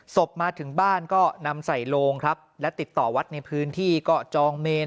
ศพมาถึงบ้านก็นำใส่โลงครับและติดต่อวัดในพื้นที่ก็จองเมน